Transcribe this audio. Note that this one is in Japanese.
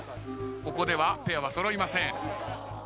ここではペアは揃いません。